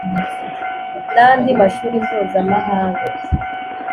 Na ndi mashuri mpuzamahanga.